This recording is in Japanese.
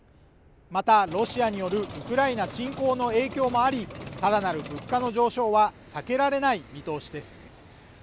またロシアによるウクライナ侵攻の影響もありさらなる物価の上昇は避けられない見通しです